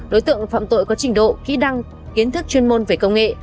đối tượng phạm tội có trình độ kỹ đăng kiến thức chuyên môn về công nghệ